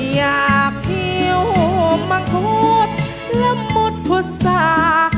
อยากคิวมะคุดละหมุดพุษา